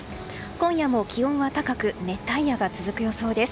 今夜も気温は高く熱帯夜が続く予想です。